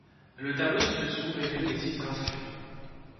Le tableau ci-dessous résume les sites inscrits.